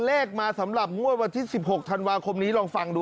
ถือก้าวแวง